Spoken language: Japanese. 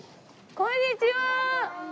こんにちは。